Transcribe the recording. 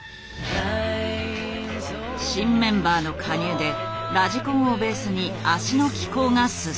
新メンバーの加入でラジコンをベースに脚の機構が進む。